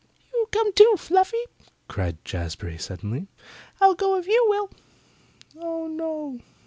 "You come, too, Fluffy," cried Jazbury suddenly. "I'll go if you will." "Oh, no!"